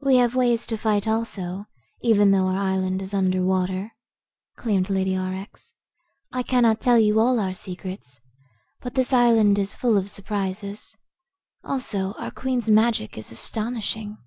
"We have ways to fight, also, even though our island is under water," claimed Lady Aurex. "I cannot tell you all our secrets, but this island is full of surprises. Also our Queen's magic is astonishing."